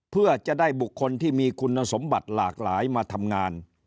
เพื่อจะได้บุคคลที่มีคุณสมบัติหลากหลายมาทำงาน